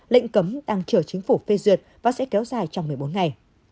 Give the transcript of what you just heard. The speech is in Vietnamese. lệnh cấm đang chờ chính phủ phê duyệt và sẽ kéo dài trong một mươi bốn ngày